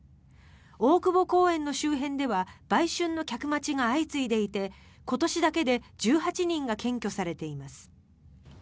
大久保公園の周辺では売春の客待ちが相次いでいて今年だけで１８人が検挙されています。